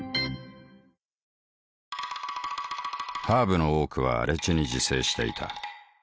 ハーブの多くは荒地に自生していた。